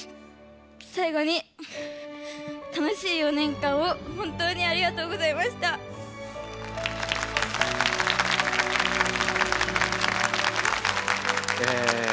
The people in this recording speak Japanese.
最後に楽しい４年間を本当にありがとうございました！え